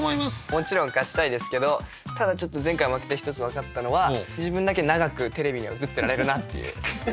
もちろん勝ちたいですけどただ前回負けて一つ分かったのは自分だけ長くテレビには映ってられるなっていう。